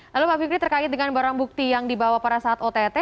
lalu pak fikri terkait dengan barang bukti yang dibawa pada saat ott